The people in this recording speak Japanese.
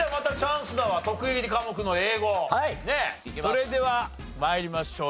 それでは参りましょう。